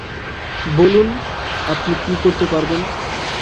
বলুন, আপনি কী করতে পারবেন?